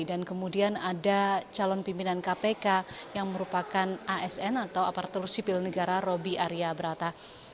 dan kemudian ada calon pimpinan kpk yang merupakan asn atau aparatur sipil negara robi arya brata